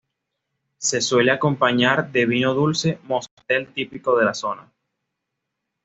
Se suele acompañar de vino dulce moscatel típico de la zona.